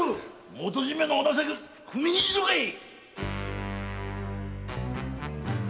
元締めのお情けを踏みにじるのかい！